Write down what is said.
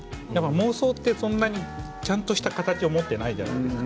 妄想ってそんなにちゃんとした形を持っていないじゃないですか。